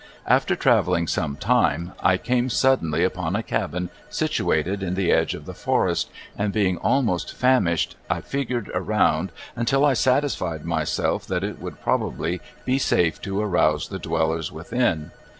After traveling some time I came suddenly upon a cabin situated in the edge of the forest, and being almost famished I figured around until I satisfied myself that it would probably be safe to arouse the dwellers within.